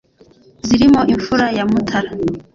Zirimo imfura ya Mutara